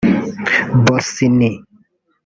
Bossini